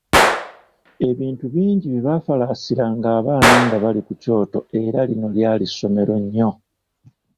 Ebintu bingi bye baafalaasiranga abaana nga bali ku kyoto era lino lyali ssomero nnyo.